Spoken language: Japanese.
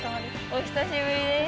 お久しぶりです。